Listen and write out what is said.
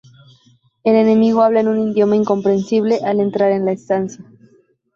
El enemigo habla en un idioma incomprensible al entrar en la estancia.